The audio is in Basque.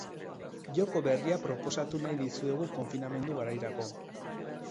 Joko berria proposatu nahi dizuegu konfinamendu garairako.